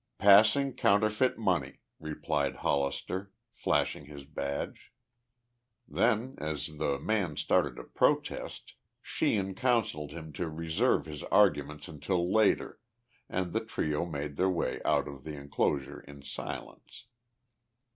"Passing counterfeit money," replied Hollister, flashing his badge. Then, as the man started to protest, Sheehan counseled him to reserve his arguments until later, and the trio made their way out of the inclosure in silence.